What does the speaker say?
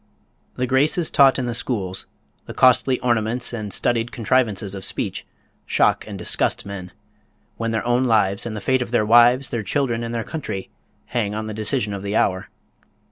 "The graces taught in the schools, the costly ornaments and studied contrivances of speech, shock and disgust men, when their own lives, and the fate of their wives, their children, and their country hang on the decision of the hour.